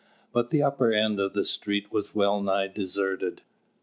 But the upper end of the street was well nigh deserted.